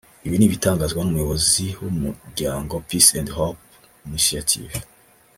Ibi ni ibitangazwa n’Umuyobozi w’umuryango Peace and Hope Initiative